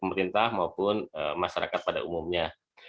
pemerintah maupun masyarakat pada umumnya